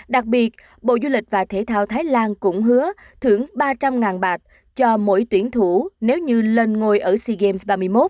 đặc biệt bộ du lịch và thể thao thái lan cũng hứa thưởng ba trăm linh bạt cho mỗi tuyển thủ nếu như lên ngôi ở sea games ba mươi một